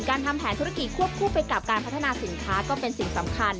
ทำแผนธุรกิจควบคู่ไปกับการพัฒนาสินค้าก็เป็นสิ่งสำคัญ